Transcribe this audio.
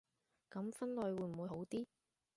噉分類會唔會好啲